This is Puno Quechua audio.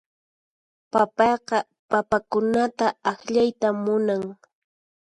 Papayqa papakunata akllayta munan.